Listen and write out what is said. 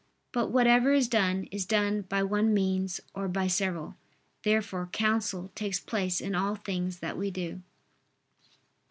But whatever is done, is done by one means or by several. Therefore counsel takes place in all things that we do.